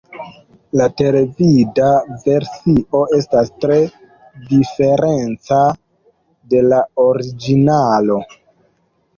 La televida versio estas tre diferenca de la originalo.